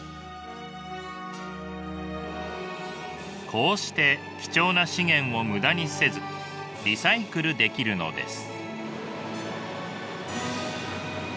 こうして貴重な資源を無駄にせずリサイクルできるのです。